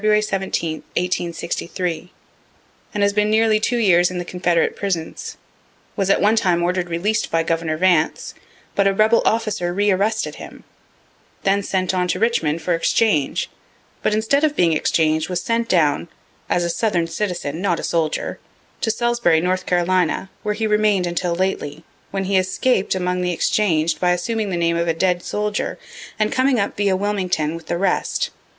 17, 1863, and has been nearly two years in the Confederate prisons; was at one time order'd releas'd by Governor Vance, but a rebel officer re arrested him; then sent on to Richmond for exchange but instead of being exchanged was sent down (as a southern citizen, not a soldier,) to Salisbury, N. C., where he remain'd until lately, when he escap'd among the exchang'd by assuming the name of a dead soldier, and coming up via Wilmington with the rest.